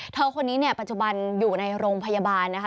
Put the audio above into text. คนนี้เนี่ยปัจจุบันอยู่ในโรงพยาบาลนะคะ